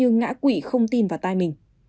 ngã quỷ không tin vào tai mình